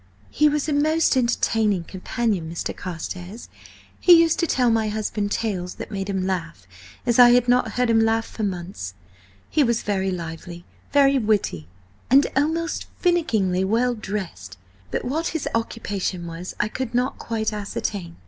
"He was a most entertaining companion, Mr. Carstares; he used to tell my husband tales that made him laugh as I had not heard him laugh for months. He was very lively, very witty, and almost finickingly well dressed, but what his occupation was I could not quite ascertain.